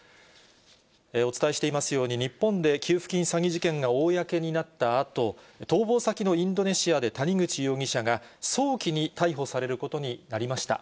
お伝えしていますように、日本で給付金詐欺事件が公になったあと、逃亡先のインドネシアで谷口容疑者が、早期に逮捕されることになりました。